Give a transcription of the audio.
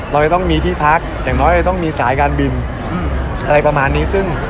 เราจะต้องมีที่พักอย่างน้อยจะต้องมีสายการบินอะไรประมาณนี้ซึ่ง